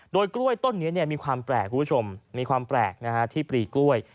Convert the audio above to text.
โดยกล้วยต้นนี้มีความแปลกคุณผู้ชมมีความแปลกที่ปรีกล้วย